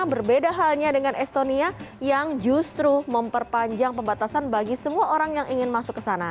berbeda halnya dengan estonia yang justru memperpanjang pembatasan bagi semua orang yang ingin masuk ke sana